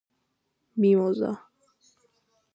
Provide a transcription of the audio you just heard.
მიმოზა